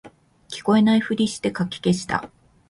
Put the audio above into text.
聞こえないふりしてかき消した